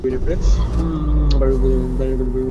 তিনি ভারতীয় উপমহাদেশের প্রাণীজগৎ নিয়ে ব্যাপক গবেষণা করেন।